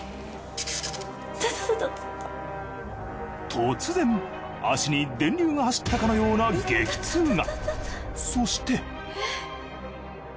突然足に電流が走ったかのような激痛が。